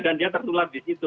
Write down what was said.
dan dia tertular di situ